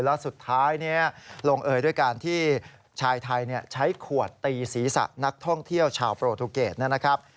แล้วสุดท้ายนี้ลงเอยด้วยการที่ชายไทยใช้ขวดตีศีรษะนักท่องเที่ยวชาวโปรตูเกตนะครับ